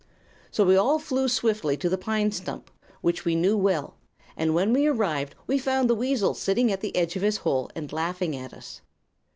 "So we all flew swiftly to the pine stump, which we knew well, and when we arrived we found the weasel sitting at the edge of his hole and laughing at us.